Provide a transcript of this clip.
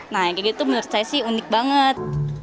nah jadi itu menurut saya sih unik banget